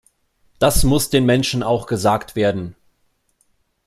Das muss den Menschen auch gesagt werden.